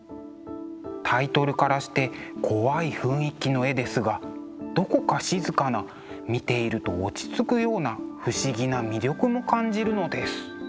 タイトルからして怖い雰囲気の絵ですがどこか静かな見ていると落ち着くような不思議な魅力も感じるのです。